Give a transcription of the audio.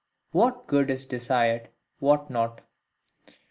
What Good is desired, what not.